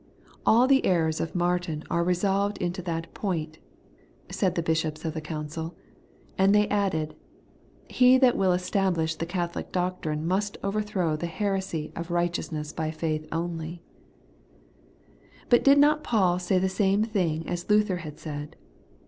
' All the errors of Martin are resolved into that point,' said the bishops of the Council ; and they added, ' He that will establish the Catholic doctrine must overthrow the heresy of righteousness by faith only/ But did not Paul say the same things as Luther has said